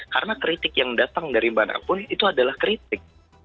karena kritik yang datang dari mana pun itu adalah kritik